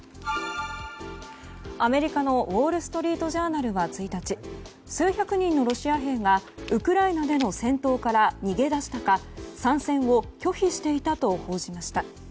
アメリカのウォール・ストリート・ジャーナルは１日数百人のロシア兵がウクライナでの戦闘から逃げ出したか参戦を拒否していたと報じました。